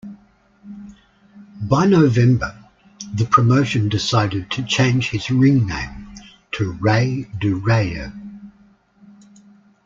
By November, the promotion decided to change his ring name to "Rey de Reyes".